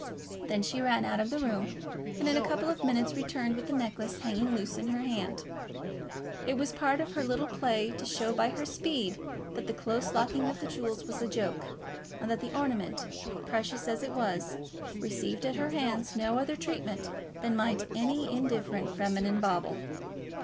Then she ran out of the room, and in a couple of minutes returned with the necklace hanging loose in her hand. It was part of her little play to show by her speed that the close locking of the jewels was a joke, and that the ornament, precious as it was, received at her hands no other treatment than might any indifferent feminine bauble.